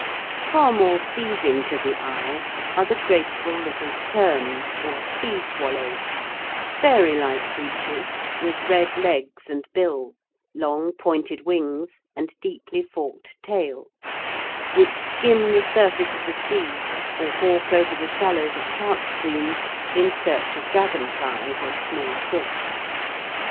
Far more pleasing to the eye are the graceful little terns, or "sea swallows," fairylike creatures with red legs and bill, long pointed wings and deeply forked tail, which skim the surface of the sea or hawk over the shallows of trout streams in search of dragonflies or small fish.